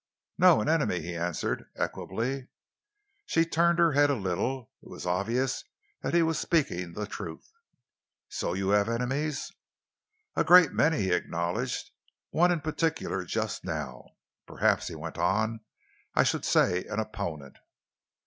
"No, an enemy," he answered equably. She turned her head a little. It was obvious that he was speaking the truth. "So you have enemies?" "A great many," he acknowledged, "one in particular just now. Perhaps," he went on, "I should say an opponent."